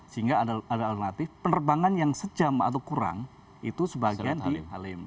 sehingga ada alternatif penerbangan yang sejam atau kurang itu sebagian di halim